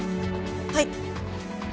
はい。